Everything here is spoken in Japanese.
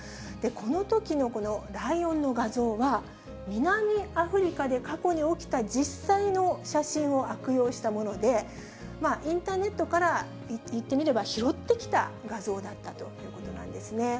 このときのこのライオンの画像は、南アフリカで過去に起きた実際の写真を悪用したもので、インターネットから、いってみれば拾ってきた画像だったということなんですね。